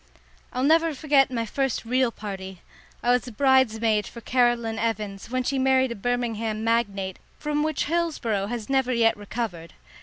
I'll never forget my first real party. I was bridesmaid for Caroline Evans, when she married a Birmingham magnate, from which Hillsboro has never yet recovered.